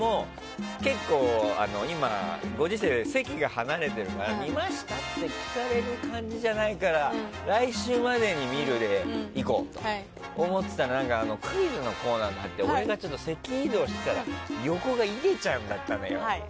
結構、今席が離れているから見ましたって聞かれる感じじゃないから来週までに見る感じでいこうと思ってたらクイズのコーナーになって俺が席移動してたら横がいげちゃんだったのよ。